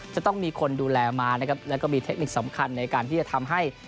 จะต้องมีคนดูแลมาและมีเทคนิคสำคัญในการที่จะทำให้